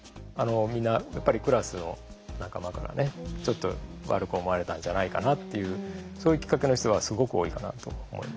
みんなやっぱりクラスの仲間からねちょっと悪く思われたんじゃないかなっていうそういうきっかけの人はすごく多いかなと思います。